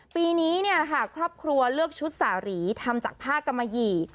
ปีนี้เนี่ยค่ะครอบครัวเลือกชุดสาหรีทำจากผ้ากะมะหยี่